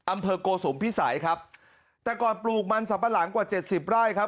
อำเภอโกสุมพิสัยครับแต่ก่อนปลูกมันสัมปะหลังกว่าเจ็ดสิบไร่ครับ